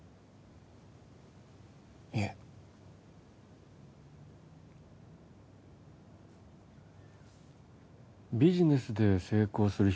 いえビジネスで成功する